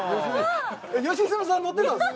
えっ良純さん乗ってたんですか？